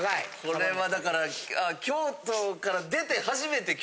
これはだから。